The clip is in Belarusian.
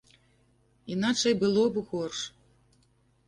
Іначай было б горш.